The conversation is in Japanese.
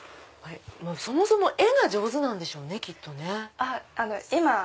そもそも絵が上手なんでしょうねきっとね。